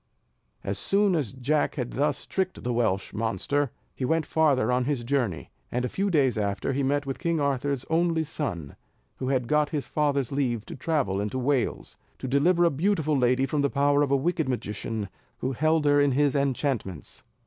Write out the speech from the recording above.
As soon as Jack had thus tricked the Welsh monster, he went farther on his journey; and a few days after he met with King Arthur's only son, who had got his father's leave to travel into Wales, to deliver a beautiful lady from the power of a wicked magician, who held her in his enchantments.